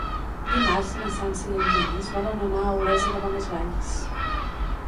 Dimarts na Sança i en Genís volen anar a Olesa de Bonesvalls.